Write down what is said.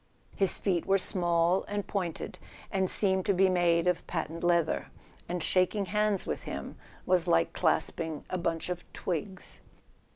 His feet were small and pointed, and seemed to be made of patent leather; and shaking hands with him was like clasping a bunch of twigs.